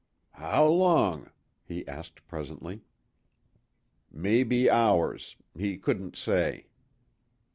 "How long?" he asked presently. "Maybe hours. He couldn't say."